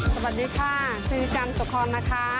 สวัสดีค่ะชื่อจันสุภคอนนะคะ